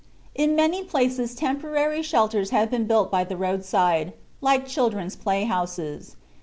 "In many places temporary shelters had been built by the roadside, like children's playhouses.